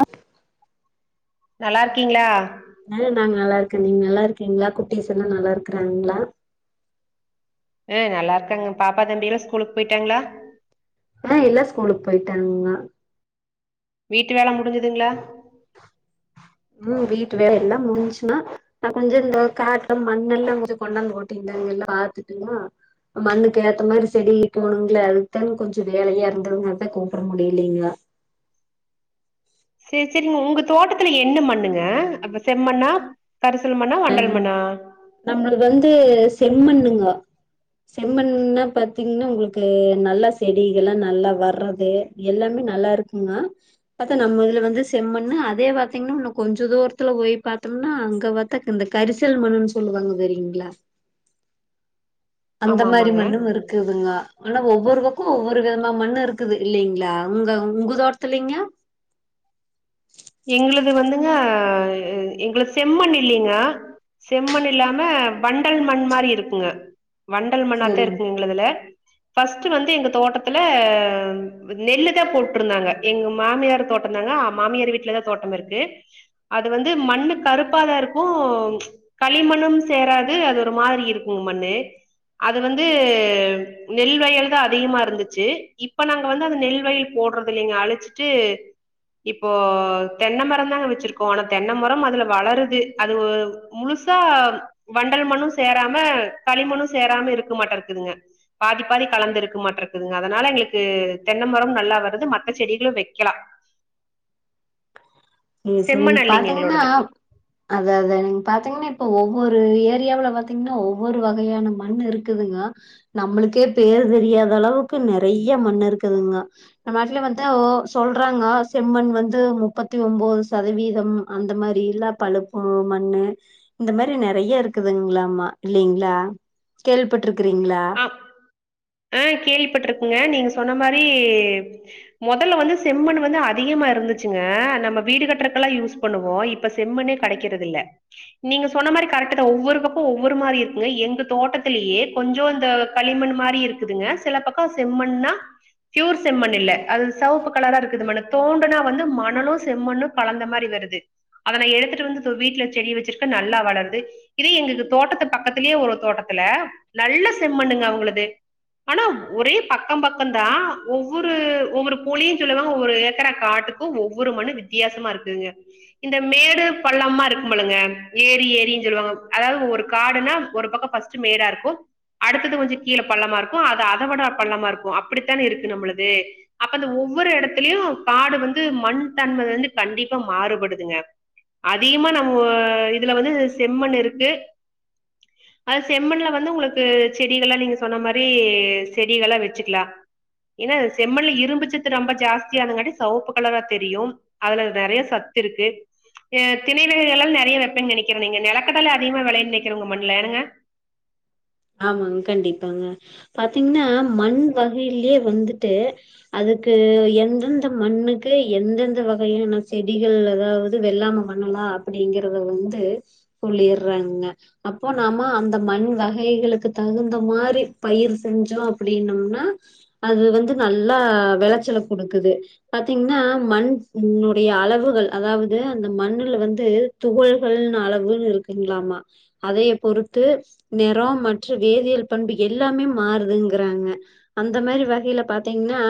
அ நல்லாருக்கீங்களா ஆ நாங்க நல்லாருக்கே நீங்க நல்லா இருக்கீங்களா குட்டிஸ்ல்லா நல்லா இருக்குறாங்களா அ நல்லருக்காங்க பாப்பா தம்பியிலா ஸ்கூலுக்கு போயிட்டாங்களா ஆ எல்லா ஸ்கூலுக்கு போயிட்டாங்க வீட்டு வேல முடிஞ்சுதுங்களா ம் வீட்டு வேல எல்லா முடிஞ்சுன்னா நா கொஞ்சோ இந்தோ காட்டம் மண்ணல்லாம் போது கொண்டாந்து கொட்டிந்து இங்கருந்து பாத்துட்டம்மா மண்ணுக்கு ஏத்த மாரி செடி போணுங்களே அதுக்தானேங்ளே கொஞ்சோ வேலையா இருந்ததுங்க அதுக்கு தா கூப்புட முடியலீங்க செரி செரிங்க உங்க தோட்டத்துல என்ன மண்ணுங்க அந்த செம்மண்ணா கரிசல் மண்ணா வண்டல் மண்ணா நம்மளுக்கு வந்து செம்மண்ணுங்க செம்மண்ன்னா பார்த்தீங்கன்னா உங்களுக்கு நல்லா செடிகலா நல்லா வர்றது எல்லாமே நல்லாருக்குங்க பத்தா நம்ம இதுல வந்து செம்மண்ணு அதே பாத்தீங்கன்னா இன்னோ கொஞ்ச தூரத்து போய் பாத்தோம்னா அங்க தக்கு இந்த கரிசல் மண்னுன்னு சொல்லுவாங்க தெரியுங்களா அந்த ஆமா மாதிரி ஆமாங்க மண்ணுமிருக்கு இருக்குதுங்க ஆனா ஒவ்வொரு பக்கோ ஒவ்வொரு விதமா மண்ணு இருக்குது இல்லலைங்களா உங்க உங்க தோட்டத்துல்லைங்க எங்களது வந்துங்க எங்களுது வந்துங்க செம்மண் இல்லைங்க செம்மண் இல்லாம வண்டல் மண் மாரி இருக்குங்க வண்டல் மண்ணாத்தா சரிங்க இருக்குங்க உங்களதுல ஃபஸ்ட்டு வந்து எங்க தோட்டத்துல நெல்லு தா போட்ருந்தாங்க எங்க மாமியார் தோட் ந்தாங்க மாமியார் வீட்டுலதா தோட்டமிருக்கு அது வந்து மண்ணு கருப்பாதா இருக்கு களிமண்ணும் சேராது அது ஒரு மாதிரி இருக்குங்க மண்ணு அது வந்து நெல்வயல் தா அதிகமா இருந்துச்சு இப்ப நாங்க வந்து அந்த நெல்வயல் போடுறது இல்லைங்க அழிச்சிட்டு இப்போ தென்ன மரம் தாங்க வச்சிருக்கோ ஆனா தென்ன மரம் அதுல வளருது அது முழுசா வண்டல் மண்ணும் சேராம களிமண்ணும் சேராம இருக்க மாட்டக்குங்க பாதி பாதி கலந்து இருக்க மாட்றதுங்க அதனால எங்களுக்கு தென்ன மரமு நல்லா வருது மத்த செடிகளு வைக்கலா செரி செரி செம்மணல்லிங்க பாத்தீங்கனா எங்களோடது அத அத நீங்க பாத்தீங்கனா இப்ப ஒவ்வொரு ஏரியாவுல பாத்தீங்கனா ஒவ்வொரு வகையான மண் இருக்கு இருக்குதுங்க நம்மளுக்கே பேர் தெரியாத அளவுக்கு நெறையா மண்ணு இருக்குதுங்கோ நம்ம நாட்டுல வந்து ஒ சொல்றாங்க செம்மண் வந்து முப்பத் தி ஒம்போது சதவீதம் அந்த மாரில்லா பழுப்பு மண்ணு இந்த மாரி நெறையா இருக்குதுங்களாமா இல்லைங்களா கேள்விப்பட்ருக்குறீங்களா ஆ ஆ கேள்விப்பட்ருக்குங்க நீங்க சொன்ன மாரி மொதல்ல வந்து செம்மண் வந்து அதிகமா இருந்துச்சுங்க நம்ம வீடு கட்டுறக்க எல்லா யூஸ் பண்ணுவோ இப்ப செம்மண்ணே கெடைக்கிறது இல்ல நீங்க சொன்ன மாரி கரெக்டுதா ஒவ்வொருக்கப்போ ஒவ்வொரு மாரி இருக்குங்க எங்க தோட்டத்திலேயே கொஞ்ச களிமண் மாதிரி இருக்குதுங்க சில பக்கோ செம்மண்ணா ஃப்யூர் செம்மண் இல்ல அது செவப்பு கலரா இருக்குது மண்ணு தோண்டுனா வந்து மணலு செம்மண்ணு கலந்த மாரி வருது அத நா எடுத்துட்டு வந்து இதோ வீட்ல செடி வச்சிருக்கே நல்லா வளருது இதே எங்களுக்கு தோட்டத்து பக்கத்துலயே ஒரு தோட்டத்துல நல்ல செம்மண்ணுங்க அவுங்களுது ஆனா ஒரே பக்கோ பக்கந்தா ஒவ்வொரு ஒவ்வொரு போழியு சொல்லுவாங்க ஒவ்வொரு ஏக்கரா காட்டு ஒவ்வொரு மண்ணு வித்தியாசமா இருக்குங்க இந்த மேடு பள்ளமா இருக்கும் பொழுங்க ஏரி ஏரினு சொல்லுவாங்க அதாவது ஒரு காடுனா ஒரு பக்கோ ஃபஸ்ட் டு மேடா இருக்கு அடுத்தது கொஞ்ச கீழ பள்ளமா இருக்கு அது அத விட பள்ளமா இருக்கு அப்டித்தான இருக்கு நம்மள்து அப்ப அ ஒவ்வொரு எடத்துலயு காடு வந்து மண் தன்ம வந்து கண்டிப்பா மாறுபடுதுங்க அதிகமா நம்ம இதுல வந்து செம்மண் இருக்கு அது செம்மண்ல வந்து உங்களுக் கு செடிகல்லா நீங்க சொன்ன மாரி செடிகல்லா வச்சுக்கலா ஏனா செம்மண்ல இரும்புச்சது ரொம்ப ஜாஸ்தியாதுங்காட்டி செவப்பு கலரா தெரியு அதுல நெறையா சத்து இருக்கு தினை வகைகள்லா நெறையா வெப்பேனு நெனைக்கறே நீங்க நெலக்கடல அதிகமா விலையனு நெனைக்கற உங்க மண்ணுல ஏனுங்க ஆமாங்க கண்டிப்பாங்க பாத்தீங்கனா மண் வகையிலயே வந்துட்டு அதுக்கு எந்தெந்த மண்ணுக்கு எந்தெந்த வகையான செடிகள் அதாவது வெள்ளாம பண் ணலா அப்டிங்கறத வந்து சொல்லிடுறாங்க அப்போ நாம அந்த மண் வ கைகளுக்கு தகுந்த மாரி பயிர் செஞ்சோ அப்டின்னம்னா அது வந்து நல்லா வெளச்சல குடுக்குது பாத்தீங்னா மண் உன்னுடைய அளவுகள் அதாவது அந்த மண்ணுல வந்து துகள்கள்னு அளவுன்னு இருக்குங்களாமா அதைய பொறுத்து நெ டா மற்றும் வேதியியல் பண்பு எல்லாமே மாறுதுங்கறாங்க அந்த மாரி வகையில பாத்தீங்கன்னா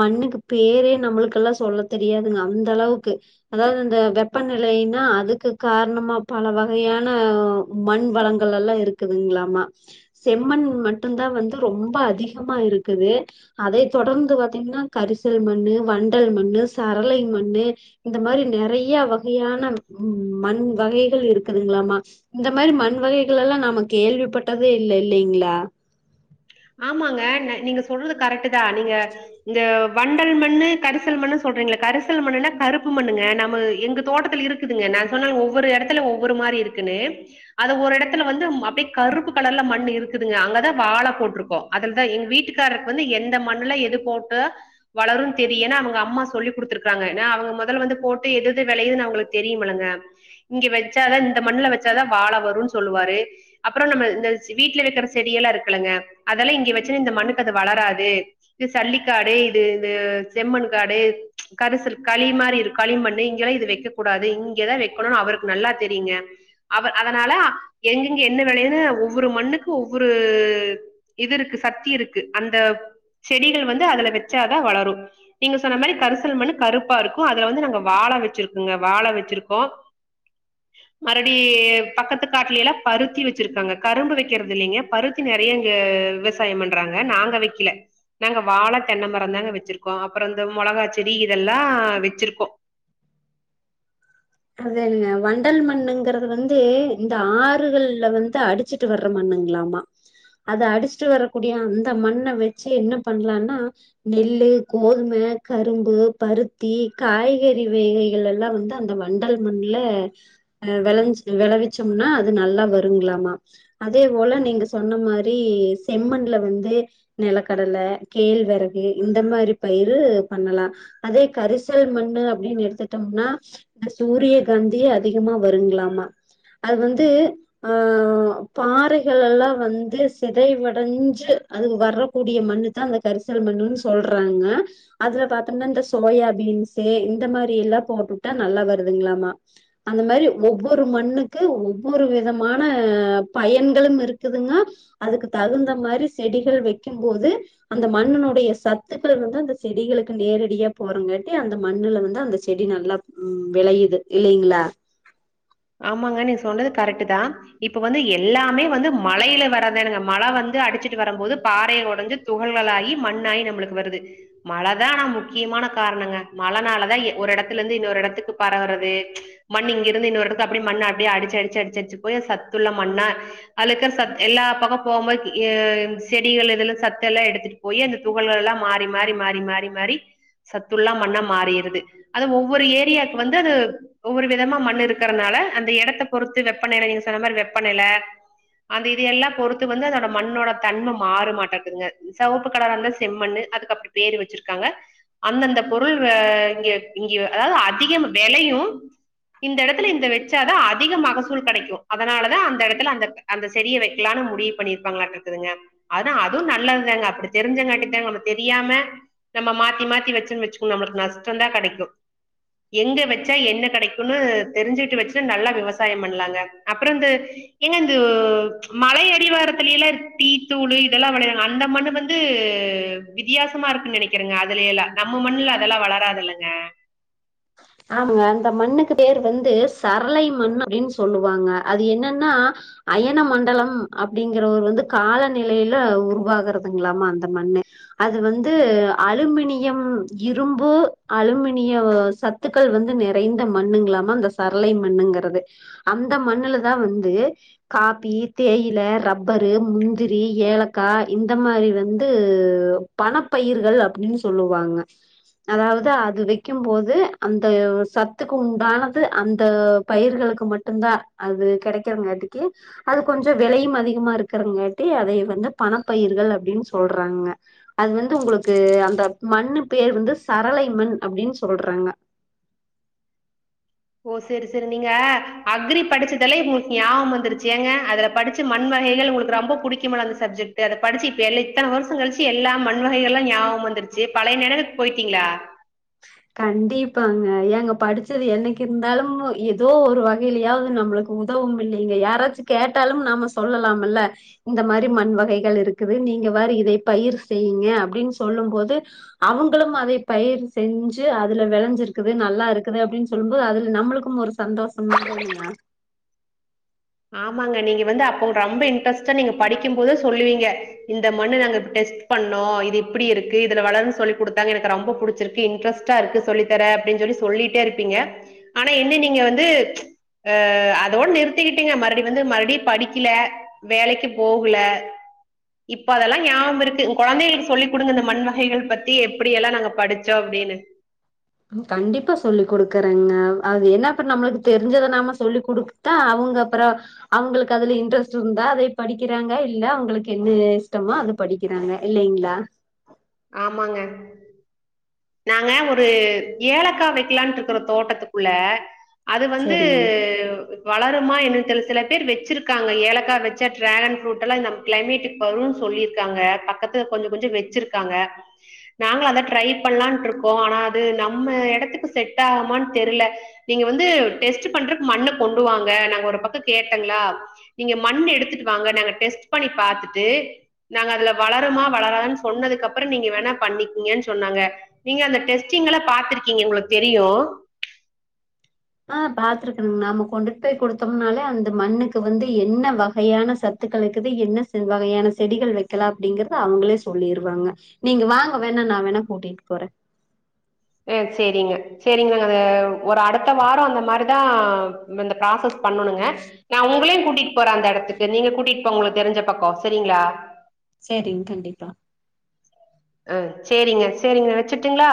மண்ணுக்கு பேரே நம்மளுக்கெல்லாம் சொல்ல தெரியாதுங்க அந்த அளவுக்கு அதாவது இந்த வெப்பநிலைன்னா அதுக்கு காரணமா பல வகையான மண் வளங்கள் எல்லாம் இருக்குதுங்களா அமா செம்மன் மட்டுந்தான் வந்து ரொம்ப அதிகமா இருக்குது அதை தொடர்ந்து பாத்தீங்கன்னா கரிசல் மண்ணு வண்டல் மண்ணு சரளை மண்ணு இந்த மாரி நறைய வகையான உ மண் வகைகள் இருக்குதுங்களாமா இந்த மாரி மண் வகைகள் எல்லாம் நாம கேள்விப்பட்டதே இல்ல இல்லைங்களா ஆமாங்க நா நீங்க சொல்றது கரெக்டு தான் நீங்க இந்த வண்டல் மண்ணு கரிசல் மண்ணு சொல்றீங்கள கரிசல் மண்ணுல்ல கருப்பு மண்ணுங்க நம்ம எங்க தோட்டத்துல இருக் குதுங்க நான் சொன்னல ஒவ்வொரு எடத்துல ஒவொரு மாரி இருக்குன்னு அது ஒரு எடத்துல வந்தும் அப்டியே கருப்பு கலர்ல மண் இருக்குதுங்க அங்கதான் வாழ போட் டுருக்கும் அதுலதான் எங்க வீட்டுக்காரருக்கு வந்து எந்த மண்ணுலாம் எது போட்ட வளரும் தெரியு என அவங்க அம்மா சொல்லி குடுத்துருக்கறாங்க ஏனா அவங்க முதல்ல வந்து போட்டு எதுது விளையதுன்னு அவங்களுக்கு தெரியுமுலங்க இங்க வச்சாதான் இந்த மண்ணுல வச்சாதான் வாழ வரும்ன்னனு சொல்லுவாரு அப்ரோ நம்ம இந்த வீட்டுல வைக்கிற செடியெல்லாம் இருக்குலங்க அதெல்லாம் இங்க வச்சுன்னு இந்த மண்ணுக்கு அது வளராது இது சல்லிக்காடு இது இந்த செம்மண் காடு கரிசல் களி மாதிரி இரு களிமண்ணு இங்கெல்லாம் இது வைக்க க்க கூடாது இங்கதான் வைக்கணும்னு அவருக்கு நல்லா தெரியுங்க அவ அதனால எங்கங்க என்ன வேிலையன்னு ஒவ்வொரு மண்ணுக்கு ஒவ்வொரு இது இருக்கு சக்தி இருக்கு அந்த செடிகள் வந்து அதுல வச்சாதான் வளரும் நீங்க சொன்ன மாதிரி கரிசல் மண் கருப்பா இருக்கும் அதுல வந்து நாங்க வாழ வச்சிருக்கங்க வாழ வச்சிருக்கோம் மறுடி பக்கத்து காட்டுல எல்லாம் பருத்தி வச்சிருக்காங்க கரும்பு வைக்கிறது இல்லங்க பருத்தி நறைய விவசாயம் பண்றாங்க நாங்க வைக்கல நாங்க வாழ தென்ன மரம் தாங்க வச்சிருக்கோம் அப்புறம் இந்த மிளகா செடி இதெல்லாம் வச்சிருக்கோம் அதனுங்கா வண்டல் மண்ணுங்கறிறது வந்து இந்த ஆறுகள்ல வந்து அடுத் வச்சிட்டு வர மண்ணனுங்களாமா அத அடிச்சுட்டு வரக்கூடிய அந்த மண்ண வச்சு என்ன பண்ணலனா நெல்லு கோதும கரும்பு பருத்தி காய்கறி வேகைகள் எல்லாம் வந்து அந்த மாதிரி மண்டல் மண்ல அ விளைஞ விளைவிச்சோம்னா அது நல்லா வருங்களாமா அதே போல நீங்க சொன்ன மாரி செம்மண்ல வந்து நிலக்கடல கேழ்விறகு இந்த மாரி பயர் பண்ணலாம் அதே கரிசல் மண்ணு அப்படின்னு எடுத்துட்டோம்னா இந்த சூரிய காந்திய அதிகமா வருங்களாமா அது வந்து ஆ பாறைகள் எல்லாம் வந்து சதைவடைஞ்சு அதுக்கு வரக்கூடிய மண்ணு தான் அந்த கரிசல் மண்ணுன்னு சொல்றாங்க அதுல பாத்தோம்னா இந்த சோயா பீன்ஸ் இந்த மாரி எல்லாம் போட்டுட்டா நல்லா வருதுங்களாமா அந்த மாரி ஒவ்வொரு மண்ணுக்கு ஒவ்வொரு விதமான பயன்களும் இருக்குதுங்க அதுக்கு தகுந்த மாரி செடிகள் வைக்கும்போது அந்த மண்ணனுடைய சத்துக்கள் வந்து அந்த செடிகளுக்கு நேரடியா போறங்கட்டி அந்த மண்ணுல வந்து அந்த செடி நல்லா உம் விளையுது இல்லலைங்களா ஆமாங்க நீங்க சொன்னது கரெக்ட் தான் இப்ப வந்து எல்லாமே வந்து மழையில வரதானுங்க மழை வந்து அடிச்சிட்டு வரும்போது பாறைய உடைஞ்சு துகள்களாயி மண்ணாயி நம்மளுக்கு வருது மழதா ஆனா முக்கியமான காரணங்க மழனாலதா ஒரு எடத்துல இருந்து இன்னோரு எடத்துக்கு பரவுறது மண் இங்கிருந்து இன்னோருக்கு அப்புடி மண்ண அப்டியே அடிச்சு அடிச்சு அடிச்சுடிச்சு போய் சத்துள்ள மண்ணா அலுக்கா எல்லா பக்கோ போகும்போது எ செடிகள் எதுலா சத்து எல்லா எடுத்துட் போய் அந்த துகள்கள் எல்லா மாறி மாறி மாறி மாறி மாறி சத்துள்ள மண்ணா மாறிருது அது ஒவ்வோரு ஏரியாவுக்கு வந்து அது ஒவ்வோரு விதமா மண்ண இருக் கறனால அந்த எடத்த பொறுத்து வெப்பநிலை நீங்க சொன்ன மாரி வெப்பநெல அந்த இது எல்லா பொறுத்து வந்து அதோட மண்ணோட தன்ம மாறு மாட்டேக்குதுங்க செவப்பு கலரா இருந்தா செம்மண்ணு அதுக்கு அப்டி பேரு வச்சிருக்காங்க அந்தந்த பொருள் வ இ இங்கயு இங்கயு அதாவது அதிகம் வெலையு இந்த இடத்து எடத்துல இந்த வச்சாத அதிக மகசூல் கெடைக்கு அதனாலதா அந்த எடத்துல அந்த அந்தப் செரிய வைக்கலான முடிவு அப்பிடி இருப்பாங்களாட்டூ இருக்குதுங்க அதா அதுவு நல்லதுதாங்க அப்படி தெரிஞ்சங்காட்டி தா ஒன்னு தெரியாம நம்ம மாத்தி மாத்தி வச்சேன்னு வச்சுகோங்க நம்மளுக்கு நஷ்டோ தா கெடைக்கு எங்க வச்சா என்ன கெடைக்குன்னு தெரிஞ்சுட்டு வச்சி நல்லா விவசாயம் பண்லாங்க அப்றோ இந் ஏங்க இந்தோ மலை அடிவாரத்துலல்லா டீ தூளு இதெல்லா விளையறாங்க அந்த மண்ணு வந்து வந்து வித்தியாசமா இருக்குன் நினைக்கிறேங்க அதுலெல்லா நம்ம மண்ணுல அதெல்லா வளராது இல்லங்க ஆமாங்க அந்த மண்ணுக்கு பேர் வந்து சரளை மண் அப்டின் சொல்லுவாங்க அது என்னன்னா அயன மண்டலம் அப்படிங்கற ஒருவரு வந்து காலநிலயில உருவாகறதுங்களாமா அந்த மண்ணு அது வந்து அலுமினியம் இரும்பு அலுமினிய சத் சத்துக்கள் வந்து நிறைந்த மண்ணுங்களாமா அந்த சரளை மண்ணுங்கிறது அந்த மண்ணுலதா வந்து காப்பி தேயில ரப்பரு முந்திரி ஏலக்கா இந்த மாரி வந்து பணப்பயிர்கள் அப்டினு சொல்லுவாங்க அதாவது அது வெக்கும்போது அந்த சத்துக்கு உண்டானது அந்த பயிர்களுக்கு மட்டுந்தா அது கிடைக்கறங்காட்டிக்கு அது கொஞ்சொ விலையூ அதிகமா இருக்கறங்காட்டி அதைய வந்து பணப்பயிர்கள் அப்டின் சொல்றாங்க அது வந்து உங்களுக்கு அந்த மண்ணு பேர் வந்து சரளை மண் அப்டின்னு சொல்றாங்க ஓ சேரி சேரி நீங்க அக்ரி படிச்சதெல்லா இப்ப உங்களுக்கு ஞாபம் வந்துருச்சு ஏங்க அதுல படிச்சு மண் வகைகள் உங்களுக்கு ரொம்ப புடிக்கும்ல அந்த சப்ஜெக்ட் அத படிச்சு இப்ப எல் இத்தன வருஷம் கழிச்சு எல்லா மண் வகைகளு ஞாபகோ வந் வந்துருச்சி பழைய நெனைவுக்கு போய்ட்டீங்ளா கண்டிப்பாங்க ஏங்க படிச்சது என்னைக்கு இருந்தாலு எதோ ஒரு வகையிலயாவது நம்மளுக் உதவும் இல்லைங்க யாராச்சு கேட்டாலும் நாம சொல்லலாம்ல்ல இந்த மாரி மண் வகைகள் இருக்குது நீங்க வேற இத பயிர் செய்யுங்க அப்டின்னு சொல்லும் போது அவுங்களும் அதே பயர செஞ்சு அதுல வெளைஞ்சிருக்குது நல்லா இருக்குது அப்டின்னு சொல்லும் போது அதுல நம்மளுக்கு மண் ஒரு சந்தோஷம் [inaudible] ஆமாங்க நீங்க வந்து அப்ப ரொம்ப இன்ட்ரெஸ்ட்டு நீங்க படிக்கும் போதே சொல்லுவீங்க இந்த மண்ணு நாங்க டெஸ்ட் பண்ணோ இது இப்டி இருக்கு இதுல வளரும் சொல்லி குடுத்தாங்க எனக்கு ரொம்ப படிச்சிருக்கு இன்ட்ரெஸ் ரா இருக்கு சொல்லித்தர அப்டின் சொல்லி சொல்லிட்டே இருப்பீங்க ஆனா என்ன நீங்க வந்து அ அதோட நிறுத்திக்கிட் ட்டீங்க மறுபடி வந்து மறுபடியு படிக்கில வேலைக்கு போகல இப்போ அதெல்லா ஞாவ்ம் இருக்கு ஒ கொழந்தைகளுக்கு சொல்லி குடுங்க இந்த மண் வகைகள் பத்தி எப்டியெல்ல நாங்க படிச்சோ அப்டின்னு கண்டிப்பா சொல்லி் கொடுக்கறேங்க அது என்ன அப்ரோ நம்ளுக்கு தெரிஞ்சத நாம சொல்லி குடுக் தா அவ்ங்க அப்ரோ அவுங்ளுக்கு அதுல இன்ட்ரெஸ்ட் இருந்தா அதே படிக்கிறாங்க இல்ல அவுங்ளுக்கு என்ன இஷ்டமோ அது படிக் கிறாங்க இல்லைங்களா ஆமாங்க நாங்க ஒரு ஏலக்கா வெக்கலான் இருக்றோ தோட்டத்துக்குள்ள அது வந்து சரிங்க வளருமா என்னென்னு தெர்ல சில பேர் வச்சிருக்காங்க ஏலக்கா வச்ச டிராகன் ஃப்ரூட் எல்லா நம் கிளைமேட்டு வருன் சொல்லிருக்காங்க பக்கத்து கொஞ்சொ கொஞ்சொ வெச்சிருக்காங்க நாங்களூ அதெ ட்ரை பண்லான்டு இருக்கோ ஆனா அது நம்ம எடத்துக்கு செட் ஆகமான்னு தெர்ல்ல நீங்க வந்து டெஸ்ட் பண்றக்கு மண்ண கொண்டு வாங்க நாங்க ஒரு பக்கோ கேட்டேங்ளா நீங்க மண்ணு எடுத்துட்டு வாங்க நாங்க டெஸ்ட் பண்ணி பாத்துட்டு நாங்க அதுல வளருமா வளராதுன்னு சொன்னதுக்கு அப்றோ நீங்க வேணா பண்ணிக்கீங்கனு சொன்னாங்க நீங்க அந்த டெஸ்ட்டிங்கலப் பாத்துருக்கீங்க உங்ளுக் தெரியு ஆ பாத்துருக்கணுங் நாம கொண்டுட் போய் குடுத்தோம்னாலே அந்த மண்ணுக்கு வந்து என்ன வகையான சத் சத்துக்களக்குது என்ன செல்வாக வகையான செடிகள் வெக்கலா அப்டீங்கறது அவுங்களே சொல்லிருவாங்க நீங்க வாங்க வேணா நா வேணா கூட்டிட்டு போறே ஏ செரிங்க செரிங்கங்க ஒரு அடுத்த வாரோ அந்த மாரிதா இந்த ப்ராசஸ் பண்ணணோங்க நா உங்களையு கூட்டிட்டு போறே அந்த எடத்துக்கு நீங்க கூட்டிட்டு போ உங்குளுக்கு தெரிஞ்ச பக்கோ செரிங்களா செரிங்க கண்டிப்பா அ செரிங்க செரிங்க வெச்சுட்டுங்களா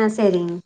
ஆ செரிங்க